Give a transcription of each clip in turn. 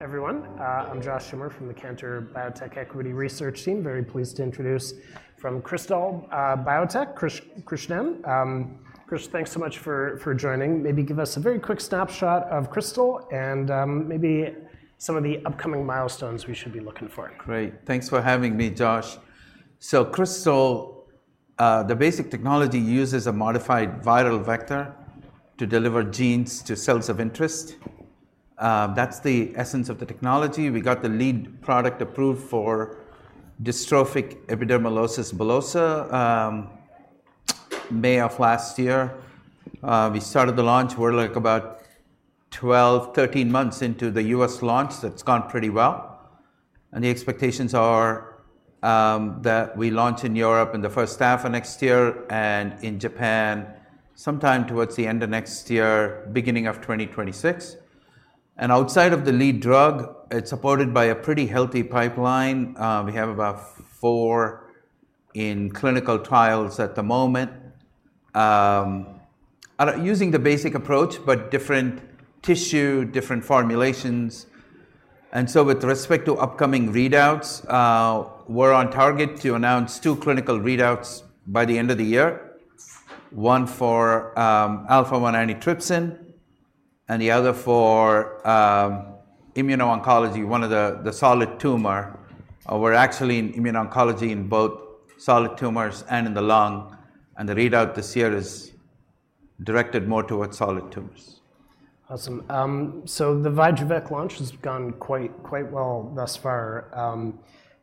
Everyone. I'm Josh Schimmer from the Cantor Biotech Equity Research Team. Very pleased to introduce from Krystal Biotech, Krish Krishnan. Krish, thanks so much for joining. Maybe give us a very quick snapshot of Krystal and maybe some of the upcoming milestones we should be looking for. Great. Thanks for having me, Josh. So Krystal, the basic technology uses a modified viral vector to deliver genes to cells of interest. That's the essence of the technology. We got the lead product approved for dystrophic epidermolysis bullosa, May of last year. We started the launch. We're, like, about 12, 13 months into the U.S. launch. It's gone pretty well, and the expectations are, that we launch in Europe in the first half of next year and in Japan sometime towards the end of next year, beginning of 2026. Outside of the lead drug, it's supported by a pretty healthy pipeline. We have about four in clinical trials at the moment. Using the basic approach, but different tissue, different formulations. And so with respect to upcoming readouts, we're on target to announce two clinical readouts by the end of the year. One for alpha-1 antitrypsin, and the other for immuno-oncology, one of the solid tumor. We're actually in immuno-oncology in both solid tumors and in the lung, and the readout this year is directed more towards solid tumors. Awesome. So the VYJUVEK launch has gone quite, quite well thus far.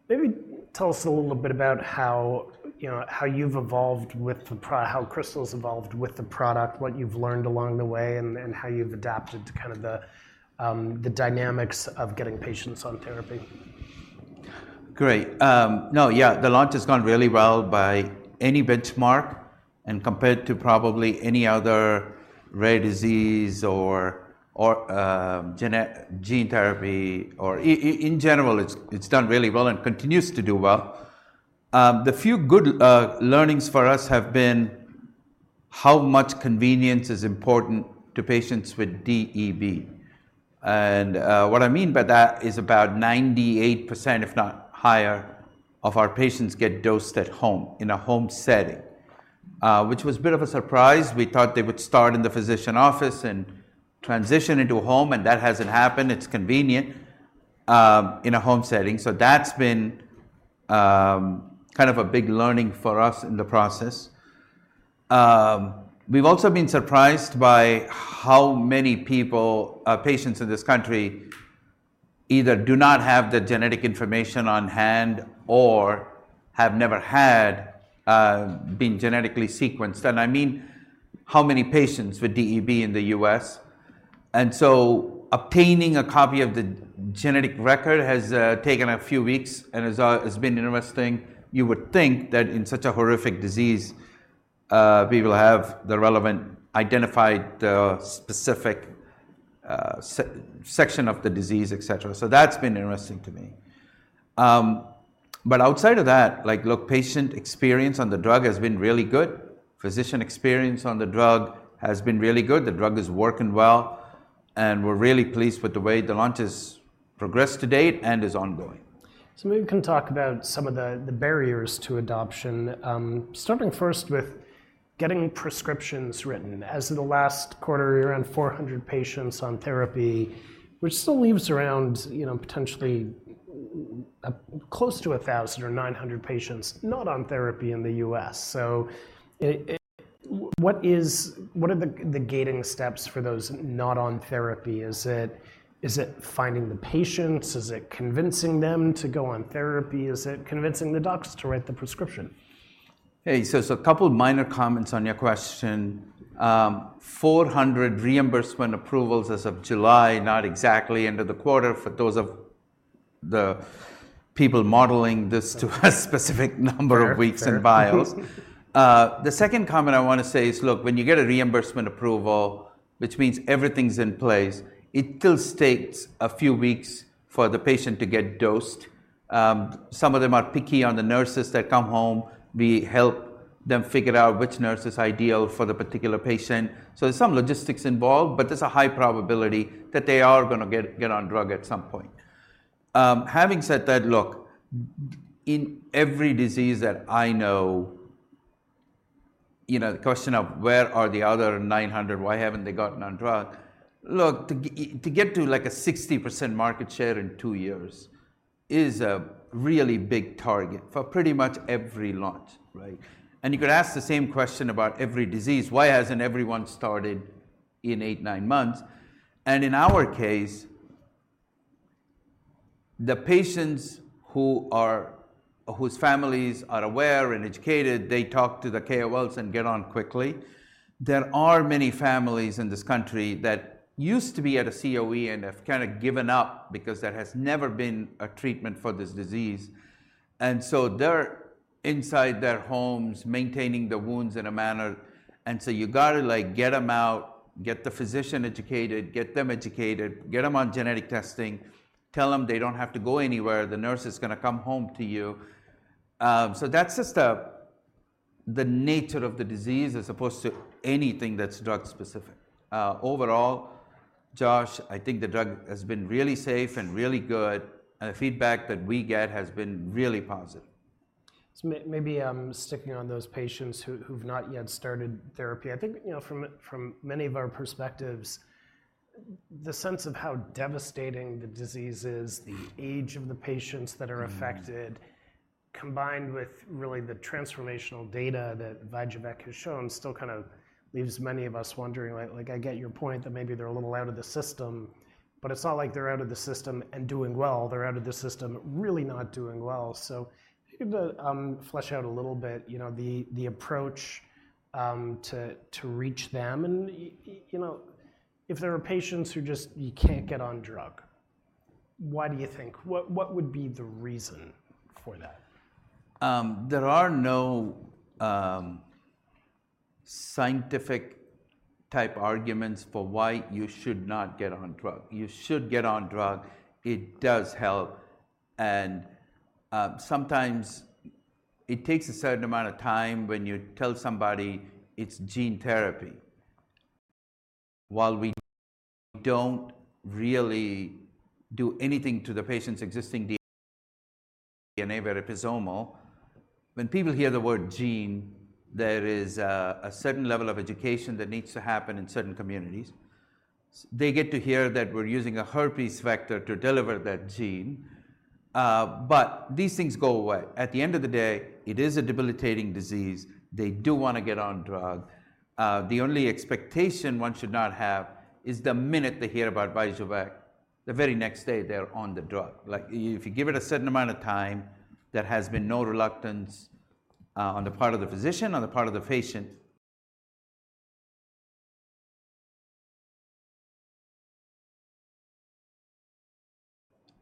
Maybe tell us a little bit about how, you know, how you've evolved with how Crystal's evolved with the product, what you've learned along the way, and, and how you've adapted to kind of the, the dynamics of getting patients on therapy. Great. No, yeah, the launch has gone really well by any benchmark and compared to probably any other rare disease or gene therapy or in general, it's done really well and continues to do well. The few good learnings for us have been how much convenience is important to patients with DEB. And what I mean by that is about 98%, if not higher, of our patients get dosed at home, in a home setting, which was a bit of a surprise. We thought they would start in the physician office and transition into home, and that hasn't happened. It's convenient in a home setting, so that's been kind of a big learning for us in the process. We've also been surprised by how many people, patients in this country either do not have the genetic information on hand or have never had been genetically sequenced, and I mean, how many patients with DEB in the U.S., and so obtaining a copy of the genetic record has taken a few weeks and has been interesting. You would think that in such a horrific disease, we will have the relevant identified specific section of the disease, et cetera, so that's been interesting to me, but outside of that, like, look, patient experience on the drug has been really good. Physician experience on the drug has been really good. The drug is working well, and we're really pleased with the way the launch has progressed to date and is ongoing. Maybe we can talk about some of the barriers to adoption, starting first with getting prescriptions written. As of the last quarter, you're around 400 patients on therapy, which still leaves around, you know, potentially close to 1,000 or 900 patients not on therapy in the U.S. What are the gating steps for those not on therapy? Is it finding the patients? Is it convincing them to go on therapy? Is it convincing the docs to write the prescription? Hey, so there's a couple minor comments on your question. 400 reimbursement approvals as of July, not exactly end of the quarter, for those of the people modeling this to a specific number of weeks- Fair, fair enough. The second comment I want to say is, look, when you get a reimbursement approval, which means everything's in place, it still takes a few weeks for the patient to get dosed. Some of them are picky on the nurses that come home. We help them figure out which nurse is ideal for the particular patient. So there's some logistics involved, but there's a high probability that they are gonna get on drug at some point. Having said that, look, in every disease that I know, you know, the question of: Where are the other 900? Why haven't they gotten on drug? Look, to get to, like, a 60% market share in two years is a really big target for pretty much every launch, right? You could ask the same question about every disease: Why hasn't everyone started in eight, nine months? In our case, the patients whose families are aware and educated, they talk to the KOLs and get on quickly. There are many families in this country that used to be at a COE and have kind of given up because there has never been a treatment for this disease, and so they're inside their homes, maintaining the wounds in a manner. So you gotta, like, get them out, get the physician educated, get them educated, get them on genetic testing, tell them they don't have to go anywhere, the nurse is gonna come home to you. So that's just the nature of the disease, as opposed to anything that's drug specific. Overall, Josh, I think the drug has been really safe and really good, and the feedback that we get has been really positive. Maybe sticking on those patients who've not yet started therapy. I think, you know, from many of our perspectives, the sense of how devastating the disease is, the age of the patients that are affected combined with really the transformational data that B-VEC has shown, still kind of leaves many of us wondering, like, like I get your point that maybe they're a little out of the system, but it's not like they're out of the system and doing well. They're out of the system, really not doing well. So if you could, flesh out a little bit, you know, the approach to reach them, and you know, if there are patients who just, you can't get on drug, why do you think? What would be the reason for that? There are no scientific type arguments for why you should not get on drug. You should get on drug. It does help, and sometimes it takes a certain amount of time when you tell somebody it's gene therapy. While we don't really do anything to the patient's existing DNA, but it is adeno-associated viral or episomal. When people hear the word gene, there is a certain level of education that needs to happen in certain communities. They get to hear that we're using a herpes vector to deliver that gene. But these things go away. At the end of the day, it is a debilitating disease. They do wanna get on drug. The only expectation one should not have is the minute they hear about VYJUVEK, the very next day they're on the drug. Like, if you give it a certain amount of time, there has been no reluctance on the part of the physician, on the part of the patient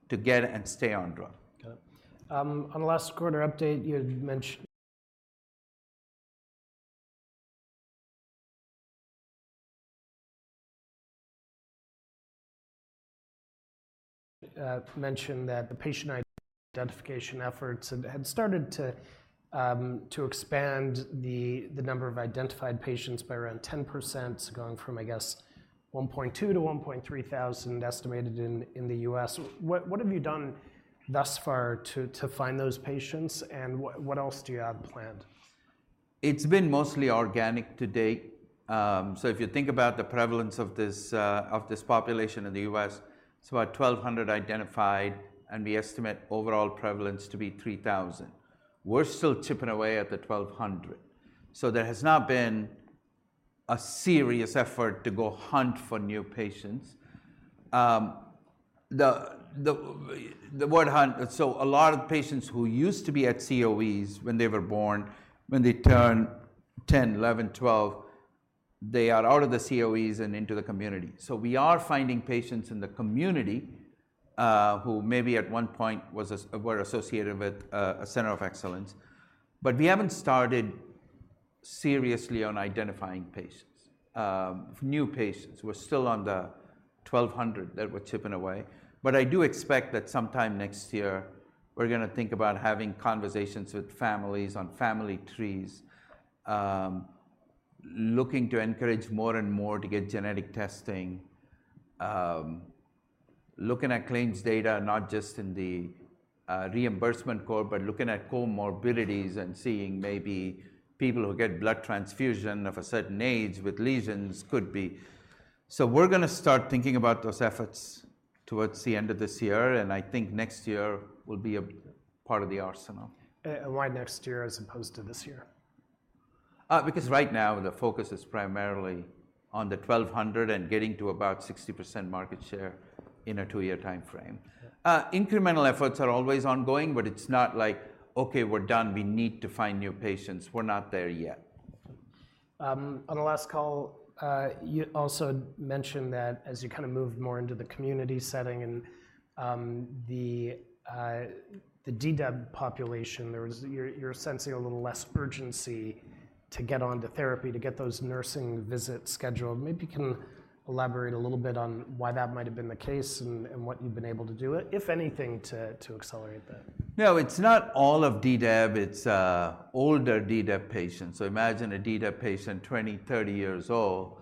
to get and stay on drug. Got it. On the last quarter update, you had mentioned that the patient identification efforts had started to expand the number of identified patients by around 10%, going from, I guess, 1,200-1,300 estimated in the U.S. What have you done thus far to find those patients, and what else do you have planned? It's been mostly organic to date, so if you think about the prevalence of this population in the U.S., it's about 1,200 identified, and we estimate overall prevalence to be 3,000. We're still chipping away at the 1,200, so there has not been a serious effort to go hunt for new patients. The word hunt, so a lot of patients who used to be at COEs when they were born, when they turn 10, 11, 12, they are out of the COEs and into the community, so we are finding patients in the community, who maybe at one point were associated with a center of excellence, but we haven't started seriously on identifying new patients. We're still on the 1,200 that we're chipping away. But I do expect that sometime next year, we're gonna think about having conversations with families on family trees, looking to encourage more and more to get genetic testing, looking at claims data, not just in the reimbursement codes, but looking at comorbidities and seeing maybe people who get blood transfusion of a certain age with lesions could be. So we're gonna start thinking about those efforts towards the end of this year, and I think next year will be a part of the arsenal. And why next year as opposed to this year? Because right now, the focus is primarily on the 1,200 and getting to about 60% market share in a two-year timeframe. Yeah. Incremental efforts are always ongoing, but it's not like, "Okay, we're done. We need to find new patients." We're not there yet. On the last call, you also mentioned that as you kind of moved more into the community setting and the DEB population, you're sensing a little less urgency to get onto therapy, to get those nursing visits scheduled. Maybe you can elaborate a little bit on why that might have been the case and what you've been able to do about it, if anything, to accelerate that? No, it's not all of DEB, it's older DEB patients. Imagine a DEB patient, 20, 30 years old,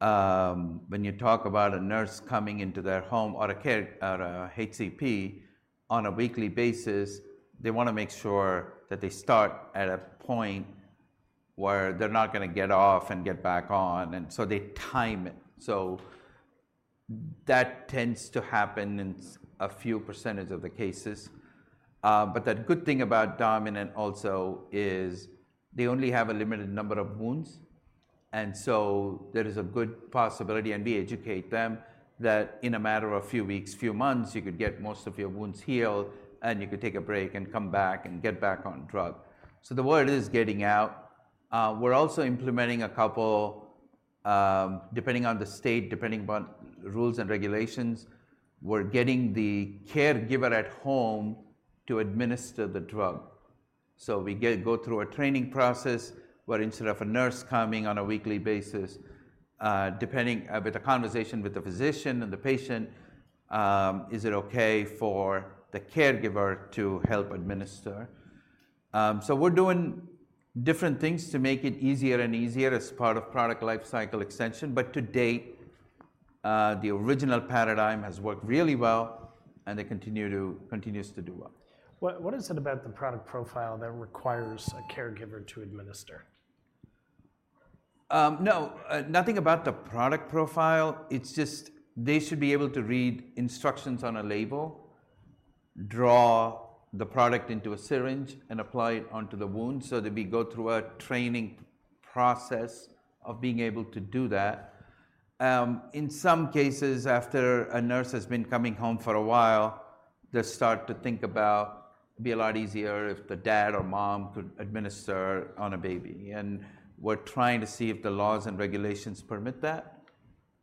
when you talk about a nurse coming into their home or a HCP on a weekly basis, they wanna make sure that they start at a point where they're not gonna get off and get back on, and so they time it. That tends to happen in a few percentage of the cases. But the good thing about dominant also is they only have a limited number of wounds, and so there is a good possibility, and we educate them, that in a matter of few weeks, few months, you could get most of your wounds healed, and you could take a break and come back and get back on drug. The word is getting out. We're also implementing a couple, depending on the state, depending on rules and regulations, we're getting the caregiver at home to administer the drug, so we go through a training process, where instead of a nurse coming on a weekly basis, with the conversation with the physician and the patient, is it okay for the caregiver to help administer, so we're doing different things to make it easier and easier as part of product life cycle extension, but to date, the original paradigm has worked really well, and it continues to do well. What is it about the product profile that requires a caregiver to administer? No, nothing about the product profile. It's just they should be able to read instructions on a label, draw the product into a syringe, and apply it onto the wound. So they, we go through a training process of being able to do that. In some cases, after a nurse has been coming home for a while, they start to think about, be a lot easier if the dad or mom could administer on a baby. And we're trying to see if the laws and regulations permit that.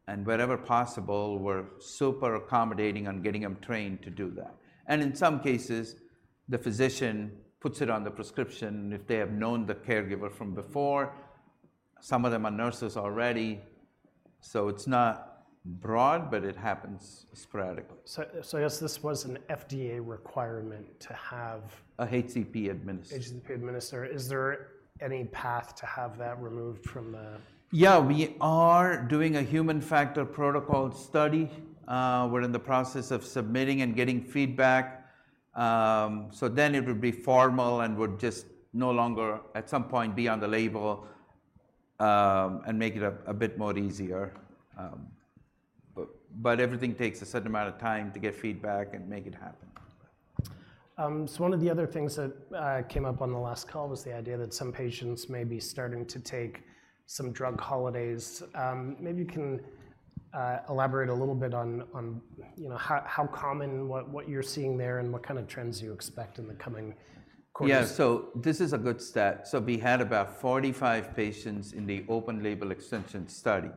And wherever possible, we're super accommodating on getting them trained to do that. And in some cases, the physician puts it on the prescription if they have known the caregiver from before. Some of them are nurses already, so it's not broad, but it happens sporadically. So, I guess this was an FDA requirement to have- An HCP administer. HCP administer. Is there any path to have that removed from the- Yeah, we are doing a human factors protocol study. We're in the process of submitting and getting feedback. So then it would be formal and would just no longer, at some point, be on the label, and make it a bit more easier. But everything takes a certain amount of time to get feedback and make it happen. So one of the other things that came up on the last call was the idea that some patients may be starting to take some drug holidays. Maybe you can elaborate a little bit on, you know, how common, what you're seeing there, and what kind of trends do you expect in the coming quarters? Yeah, so this is a good stat. So we had about 45 patients in the open label extension study,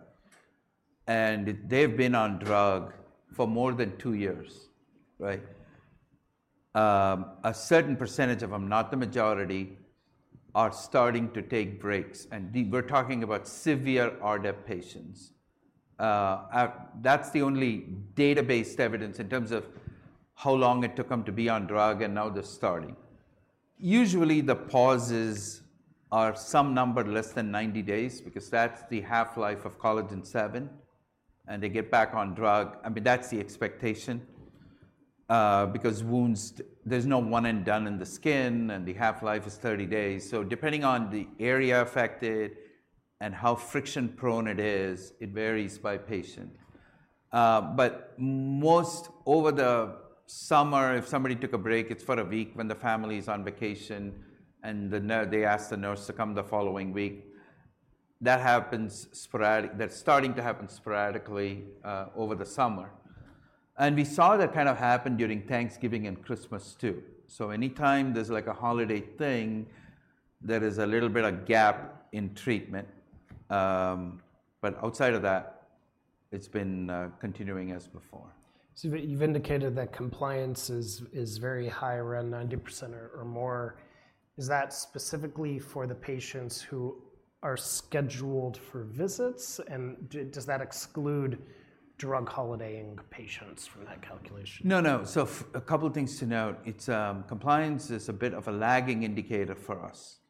and they've been on drug for more than two years, right? A certain percentage of them, not the majority, are starting to take breaks, and we're talking about severe RDEB patients. That's the only database evidence in terms of how long it took them to be on drug, and now they're starting. Usually, the pauses are some number less than 90 days because that's the half-life of Collagen VII, and they get back on drug. I mean, that's the expectation, because wounds, there's no one and done in the skin, and the half-life is 30 days. So depending on the area affected and how friction prone it is, it varies by patient. Mostly over the summer, if somebody took a break, it's for a week when the family is on vacation, and they ask the nurse to come the following week. That happens sporadically. That's starting to happen sporadically over the summer. We saw that kind of happen during Thanksgiving and Christmas, too. Anytime there's like a holiday thing, there is a little bit of gap in treatment. Outside of that, it's been continuing as before. So you've indicated that compliance is very high, around 90% or more. Is that specifically for the patients who are scheduled for visits, and does that exclude drug holidaying patients from that calculation? No, no. So a couple things to note. It's compliance is a bit of a lagging indicator for us,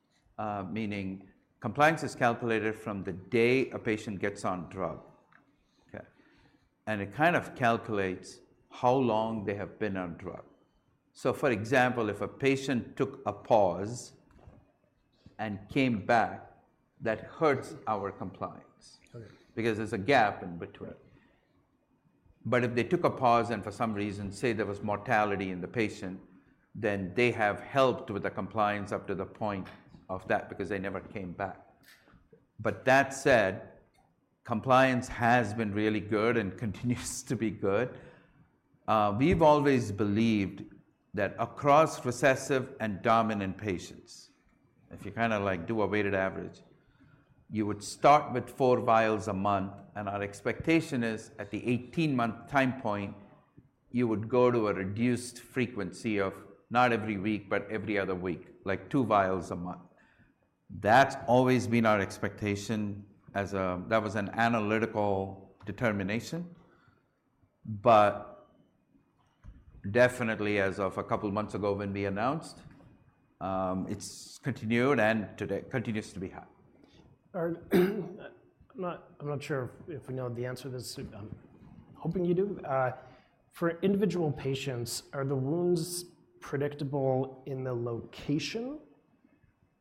meaning compliance is calculated from the day a patient gets on drug, okay? And it kind of calculates how long they have been on drug. So, for example, if a patient took a pause and came back, that hurts our compliance. Okay Because there's a gap in between. Right. But if they took a pause and for some reason, say, there was mortality in the patient, then they have helped with the compliance up to the point of that because they never came back. But that said, compliance has been really good and continues to be good. We've always believed that across recessive and dominant patients, if you kinda like do a weighted average, you would start with four vials a month, and our expectation is, at the 18-month time point, you would go to a reduced frequency of not every week, but every other week, like two vials a month. That's always been our expectation as, that was an analytical determination, but definitely as of a couple of months ago when we announced, it's continued, and today continues to be high. I'm not sure if you know the answer to this. I'm hoping you do. For individual patients, are the wounds predictable in the location?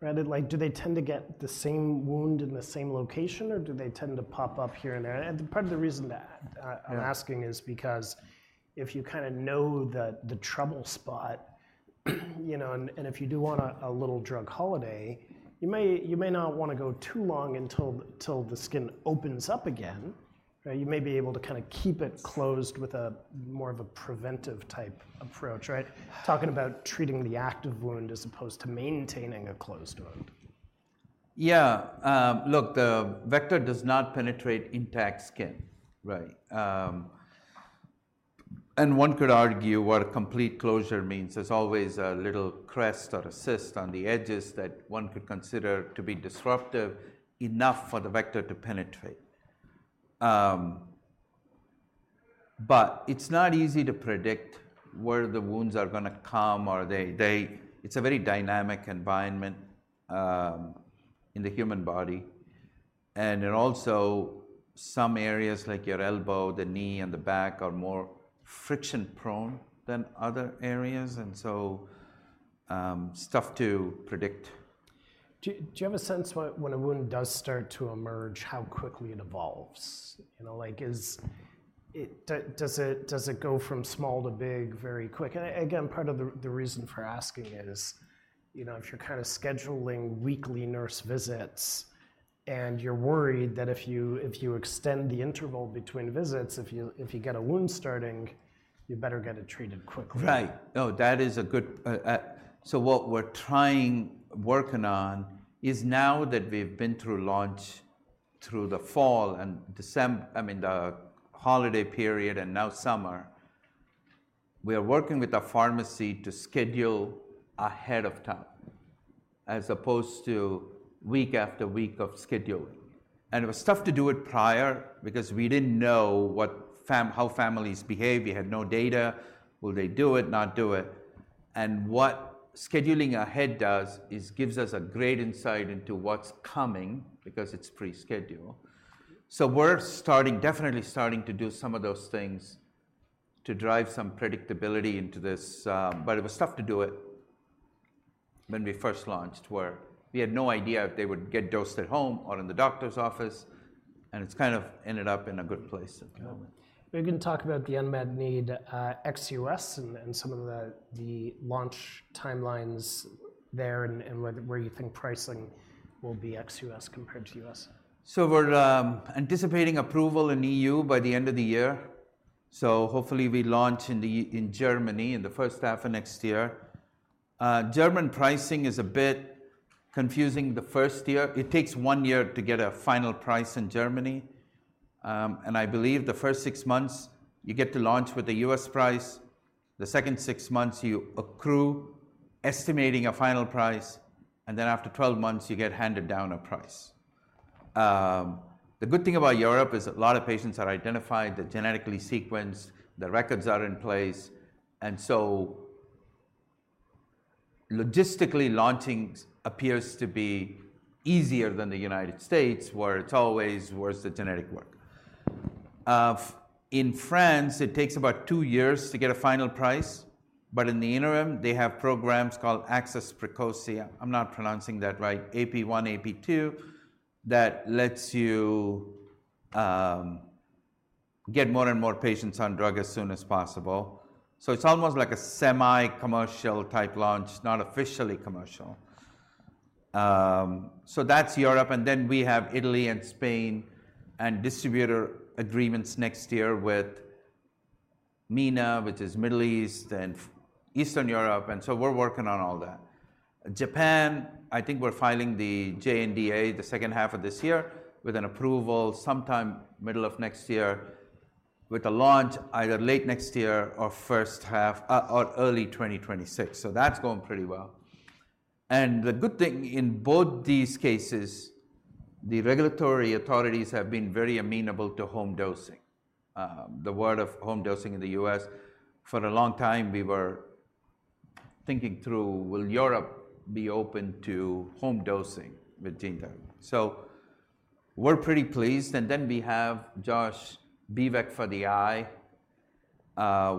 Rather like, do they tend to get the same wound in the same location, or do they tend to pop up here and there? And part of the reason that- Yeah I'm asking is because if you kinda know the trouble spot, you know, and if you do want a little drug holiday, you may not wanna go too long until the skin opens up again, right? You may be able to kinda keep it closed with more of a preventive-type approach, right? Yeah. Talking about treating the active wound as opposed to maintaining a closed wound. Yeah. Look, the vector does not penetrate intact skin, right? And one could argue what a complete closure means. There's always a little crest or a cyst on the edges that one could consider to be disruptive enough for the vector to penetrate. But it's not easy to predict where the wounds are gonna come. It's a very dynamic environment in the human body. And then also, some areas like your elbow, the knee, and the back are more friction-prone than other areas, and so, it's tough to predict. Do you have a sense when a wound does start to emerge, how quickly it evolves? You know, like, is it? Does it go from small to big very quick? And again, part of the reason for asking is, you know, if you're kind of scheduling weekly nurse visits, and you're worried that if you extend the interval between visits, if you get a wound starting, you better get it treated quickly. Right. No, that is a good. So what we're trying, working on, is now that we've been through launch, through the fall and I mean, the holiday period and now summer, we are working with the pharmacy to schedule ahead of time, as opposed to week after week of scheduling. And it was tough to do it prior because we didn't know what family- how families behave. We had no data. Will they do it, not do it? And what scheduling ahead does, is gives us a great insight into what's coming because it's pre-scheduled. So we're starting, definitely starting to do some of those things to drive some predictability into this. But it was tough to do it when we first launched, where we had no idea if they would get dosed at home or in the doctor's office, and it's kind of ended up in a good place at the moment. We can talk about the unmet need ex U.S. and some of the launch timelines there, and where you think pricing will be ex U.S. compared to U.S. We're anticipating approval in the EU by the end of the year. So hopefully we launch in Germany in the first half of next year. German pricing is a bit confusing the first year. It takes one year to get a final price in Germany. And I believe the first six months, you get to launch with the U.S. price. The second six months, you accrue, estimating a final price, and then after 12 months, you get handed down a price. The good thing about Europe is a lot of patients are identified. They're genetically sequenced, the records are in place, and so logistically, launching appears to be easier than the United States, where it's always worse, the genetic work. In France, it takes about two years to get a final price, but in the interim, they have programs called Accès Précoce. I'm not pronouncing that right, AP1, AP2, that lets you get more and more patients on drug as soon as possible, so it's almost like a semi-commercial type launch, not officially commercial, so that's Europe, and then we have Italy and Spain, and distributor agreements next year with MENA, which is Middle East and Eastern Europe, and so we're working on all that. Japan, I think we're filing the JNDA, the second half of this year, with an approval sometime middle of next year, with the launch either late next year or first half, or early 2026. So that's going pretty well, and the good thing, in both these cases, the regulatory authorities have been very amenable to home dosing. The word on home dosing in the U.S., for a long time, we were thinking through, "Will Europe be open to home dosing with gene therapy?" So we're pretty pleased, and then we have our B-VEC for the eye,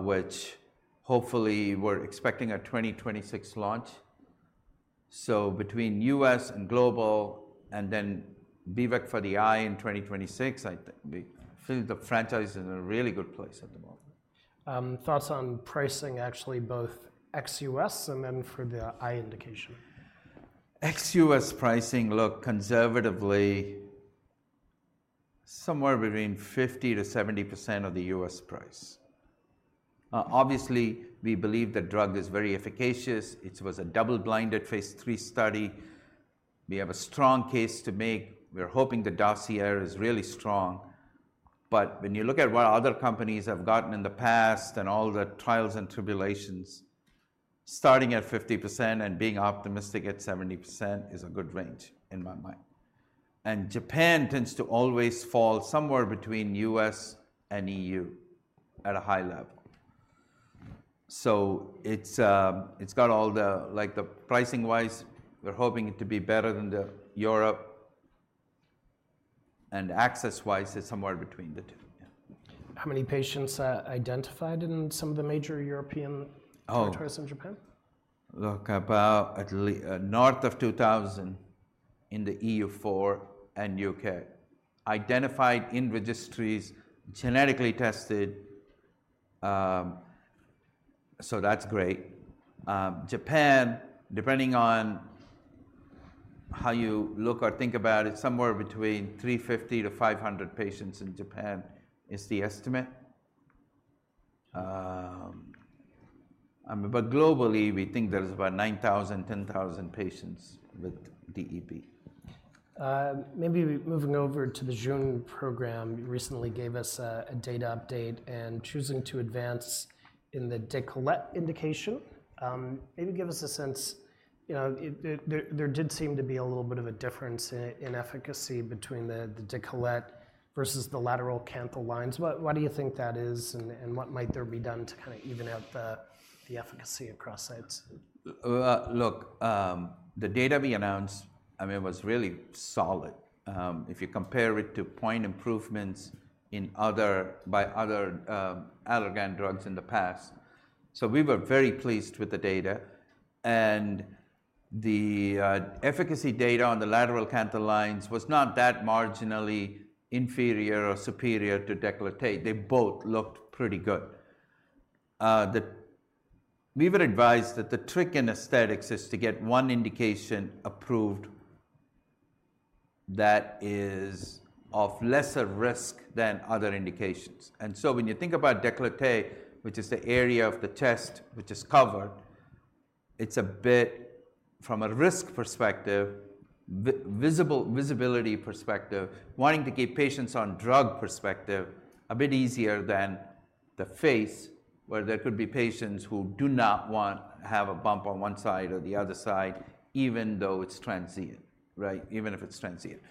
which hopefully we're expecting a 2026 launch. So between U.S. and global, and then B-VEC for the eye in 2026, we feel the franchise is in a really good place at the moment. Thoughts on pricing, actually, both ex-U.S. and then for the eye indication? Ex-US pricing, look, conservatively, somewhere between 50%-70% of the U.S. price. Obviously, we believe the drug is very efficacious. It was a double-blind Phase III study. We have a strong case to make. We're hoping the dossier is really strong. But when you look at what other companies have gotten in the past and all the trials and tribulations, starting at 50% and being optimistic at 70% is a good range, in my mind. And Japan tends to always fall somewhere between U.S. and EU at a high level. So it's, it's got all the... Like the pricing-wise, we're hoping it to be better than the Europe, and access-wise, it's somewhere between the two. Yeah. How many patients identified in some of the major European-territories in Japan? Look, about at least north of 2,000 in the EU4 and UK, identified in registries, genetically tested, so that's great. Japan, depending on how you look or think about it, somewhere between 350-500 patients in Japan is the estimate. But globally, we think there is about 9,000-10,000 patients with DEB. Maybe moving over to the Jeune program, you recently gave us a data update and choosing to advance in the décolleté indication. You know, there did seem to be a little bit of a difference in efficacy between the décolleté versus the lateral canthal lines. Why do you think that is? And what might there be done to kind of even out the efficacy across sites? Look, the data we announced, I mean, it was really solid. If you compare it to point improvements in other, by other, Allergan drugs in the past. So we were very pleased with the data, and the efficacy data on the lateral canthal lines was not that marginally inferior or superior to décolleté. They both looked pretty good. We were advised that the trick in aesthetics is to get one indication approved that is of lesser risk than other indications. When you think about décolleté, which is the area of the chest which is covered, it's a bit from a risk perspective, visible, visibility perspective, wanting to keep patients on drug perspective, a bit easier than the face, where there could be patients who do not want to have a bump on one side or the other side, even though it's transient, right? Even if it's transient.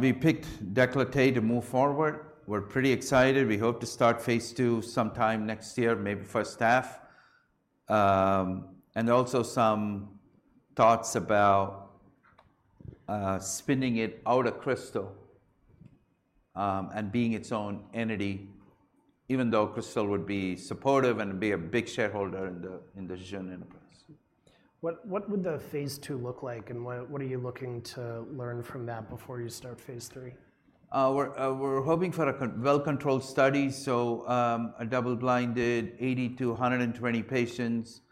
We picked décolleté to move forward. We're pretty excited. We hope to start Phase II sometime next year, maybe first half. And also some thoughts about spinning it out of Krystal, and being its own entity, even though Krystal would be supportive and be a big shareholder in the Jeune enterprise. What would the Phase II look like, and what are you looking to learn from that before you start Phase III? We're hoping for a controlled, well-controlled study, so a double-blinded, 80-120 patients.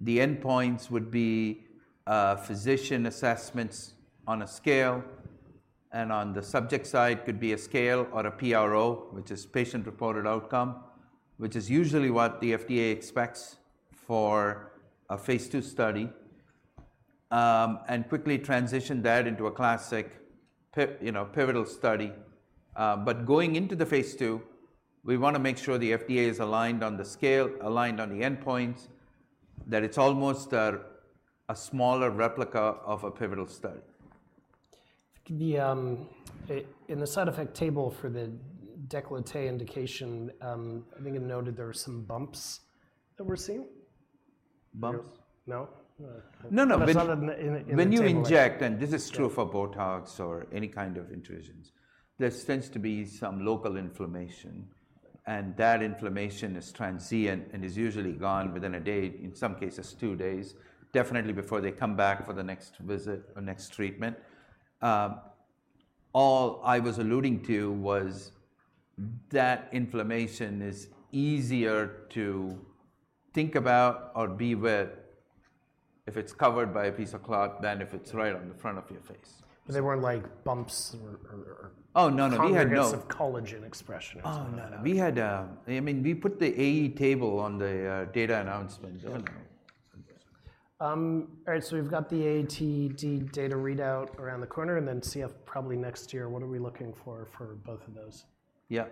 The endpoints would be physician assessments on a scale, and on the subject side, could be a scale or a PRO, which is patient-reported outcome, which is usually what the FDA expects for a Phase II study. And quickly transition that into a classic pivotal study, you know. But going into the Phase II, we want to make sure the FDA is aligned on the scale, aligned on the endpoints, that it's almost a smaller replica of a pivotal study. In the side effect table for the décolleté indication, I think it noted there were some bumps that were seen? Bumps? No? No, no. I saw that in the. When you inject, and this is true for Botox or any kind of injections, there tends to be some local inflammation, and that inflammation is transient and is usually gone within a day, in some cases, two days, definitely before they come back for the next visit or next treatment. All I was alluding to was that inflammation is easier to think about or be with if it's covered by a piece of cloth than if it's right on the front of your face. There weren't, like, bumps or- Oh, no, no. We had no- Endogenous collagen expression or something like that. Oh, no. We had, I mean, we put the AE table on the data announcement. All right, so we've got the AATD data readout around the corner and then CF probably next year. What are we looking for, for both of those? Yeah.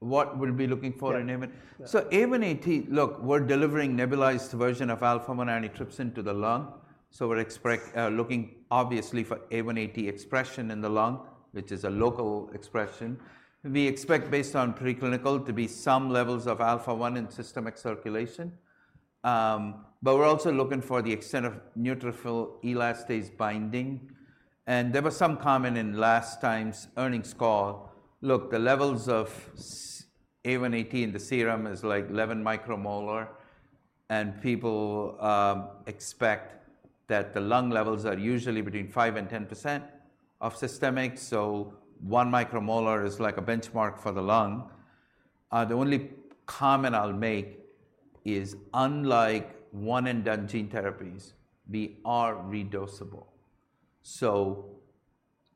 What we'll be looking for in AATD- Yeah. So A1AT, look, we're delivering nebulized version of alpha-1-antitrypsin to the lung, so we're expecting, looking obviously for A1AT expression in the lung, which is a local expression. We expect, based on preclinical, to be some levels of alpha-1 in systemic circulation. But we're also looking for the extent of neutrophil elastase binding, and there was some comment in last time's earnings call. Look, the levels of serum A1AT in the serum is, like, 11 micromolar, and people expect that the lung levels are usually between 5% and 10% of systemic, so 1 micromolar is like a benchmark for the lung. The only comment I'll make is, unlike one-and-done gene therapies, we are redosable. So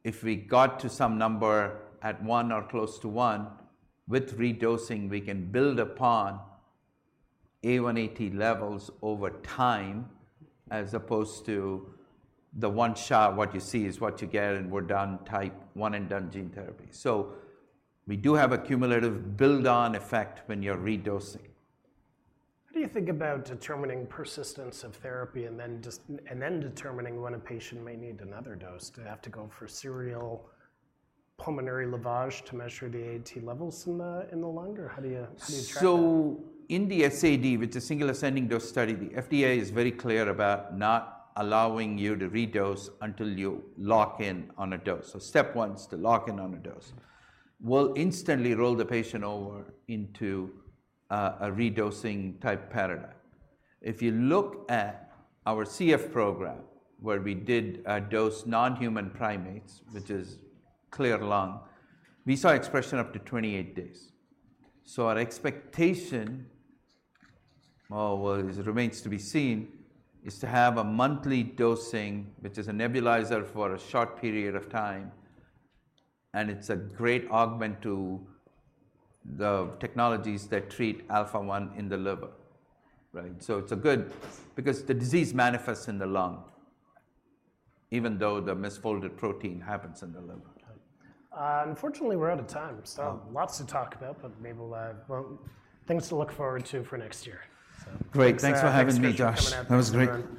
if we got to some number at one or close to one, with redosing, we can build upon A1AT levels over time, as opposed to the one-shot, what you see is what you get, and we're done type one-and-done gene therapy. So we do have a cumulative build-on effect when you're redosing. What do you think about determining persistence of therapy and then just, and then determining when a patient may need another dose? Do they have to go for serial pulmonary lavage to measure the AAT levels in the, in the lung, or how do you, how do you track that? So in the SAD, which is single ascending dose study, the FDA is very clear about not allowing you to redose until you lock in on a dose. So step one is to lock in on a dose. We'll instantly roll the patient over into a redosing type paradigm. If you look at our CF program, where we did dose non-human primates, which is clear lung, we saw expression up to 28 days. So our expectation, well, it remains to be seen, is to have a monthly dosing, which is a nebulizer for a short period of time, and it's a great augment to the technologies that treat alpha-1 in the liver, right? So it's a good augment to the technologies that treat alpha-1 in the liver. Because the disease manifests in the lung, even though the misfolded protein happens in the liver. Unfortunately, we're out of time. So lots to talk about, but maybe we'll things to look forward to for next year. Great. Thanks for having me, Josh. Thanks for coming out. That was great.